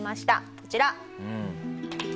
こちら！